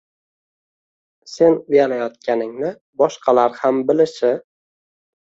Sen uyalayotganingni boshqalar ham bilishi.